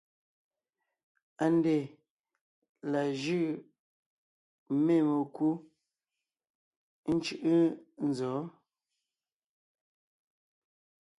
ANDÈ la jʉ̂ʼ mê mekú ńcʉ̂ʼʉ nzɔ̌?